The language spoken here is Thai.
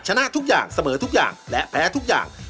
ชนะทุกอย่างเสมอทุกอย่างและแพ้ทุกอย่าง